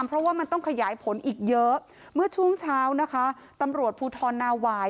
เพราะว่ามันต้องขยายผลอีกเยอะเมื่อช่วงเช้านะคะตำรวจภูทรนาวาย